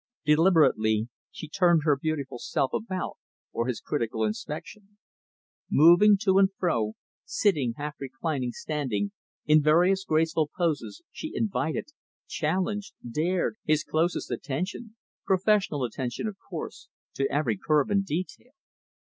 Deliberately, she turned her beautiful self about for his critical inspection. Moving to and fro, sitting, half reclining, standing in various graceful poses she invited, challenged, dared, his closest attention professional attention, of course to every curve and detail.